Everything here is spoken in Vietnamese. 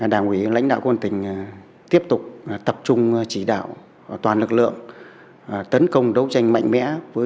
đảng ủy lãnh đạo quân tỉnh tiếp tục tập trung chỉ đạo toàn lực lượng tấn công đấu tranh mạnh mẽ